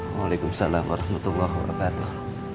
waalaikumsalam warahmatullahi wabarakatuh